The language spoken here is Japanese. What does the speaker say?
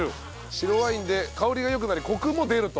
白ワインで香りが良くなりコクも出ると。